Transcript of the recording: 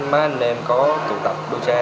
má anh em có tụ tập đua xe